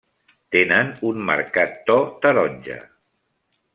Tenen un marcat to taronja.